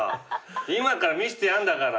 今から見してやんだから。